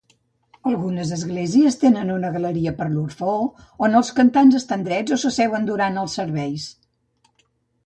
Algunes esglésies tenen una galeria per l'orfeó, on els cantants estan drets o s'asseuen durant els serveis.